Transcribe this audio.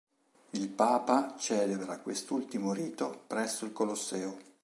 Il papa celebra quest'ultimo rito presso il Colosseo.